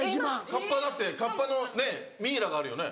カッパだってカッパのねぇミイラがあるよね。